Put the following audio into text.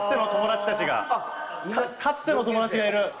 かつての友達がいる！